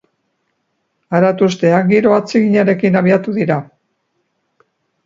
Aratusteak giro atseginarekin abiatu dira.